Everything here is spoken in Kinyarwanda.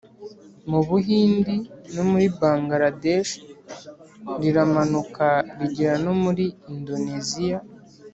mu buhindi no muri bangaladeshi, riramanuka rigera no muri indoneziya.